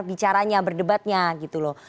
bicaranya berdebatnya gitu loh